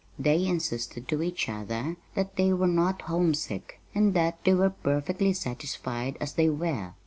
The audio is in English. They insisted to each other that they were not homesick, and that they were perfectly satisfied as they were.